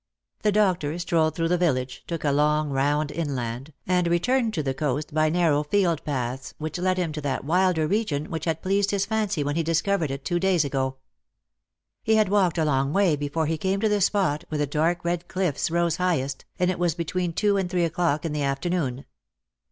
The doctor strolled through the village, took a long round inland, and returned U the coast by narrow field paths, which led him to that wildet region which had pleased his fancy when he discovered it twc days ago. Lost for Love. 157 He had walked a long way before he came to the spot where the dark red cliffs rose highest, and it was between two and three o'clock in the afternoon.